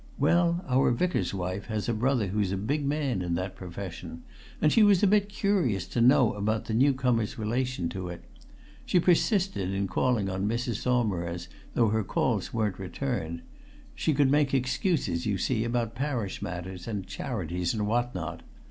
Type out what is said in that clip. Well, our Vicar's wife has a brother who's a big man in that profession, and she was a bit curious to know about the new comer's relation to it. She persisted in calling on Mrs. Saumarez though her calls weren't returned she could make excuses, you see, about parish matters and charities and what not.